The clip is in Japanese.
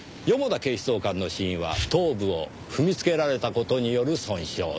四方田警視総監の死因は頭部を踏みつけられた事による損傷。